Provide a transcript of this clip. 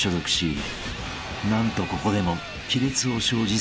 ［何とここでも］